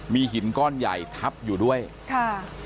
มีหินก้อนใหญ่ทับอยู่ด้วยค่ะ